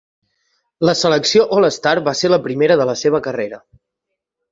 La selecció All-Star va ser la primera de la seva carrera.